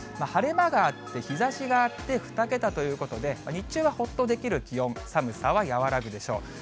晴れ間があって、日ざしがあって、２桁ということで、日中はほっとできる気温、寒さは和らぐでしょう。